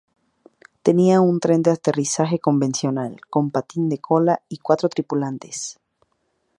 Tenía un tren de aterrizaje convencional con patín de cola y cuatro tripulantes.